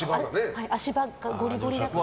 足場がゴリゴリだから。